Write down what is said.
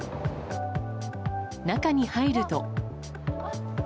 中に入ると。